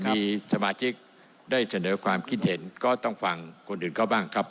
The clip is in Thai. มีสมาชิกได้เสนอความคิดเห็นก็ต้องฟังคนอื่นเขาบ้างครับ